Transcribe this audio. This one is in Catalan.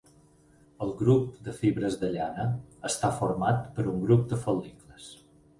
El grup de fibres de llana està format per un grup de fol·licles.